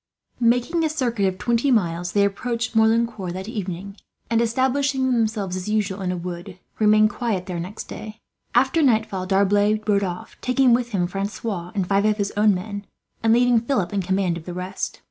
Making a circuit of twenty miles, they approached Merlincourt that evening and, establishing themselves as usual in a wood, remained quiet there next day. After nightfall D'Arblay rode off, taking with him Francois and five of his own men, and leaving Philip in command of the rest.